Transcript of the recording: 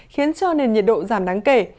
khiến cho nền nhiệt độ giảm đáng kể